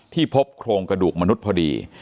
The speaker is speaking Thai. พบโครงกระดูกมนุษย์พอดี